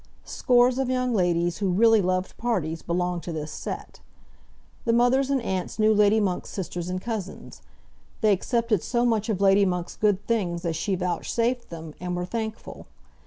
Scores of young ladies who really loved parties belonged to this set. The mothers and aunts knew Lady Monk's sisters and cousins. They accepted so much of Lady Monk's good things as she vouchsafed them, and were thankful.